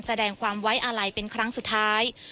แสดงความไว้อาลัยเป็นครั้งสุดท้าย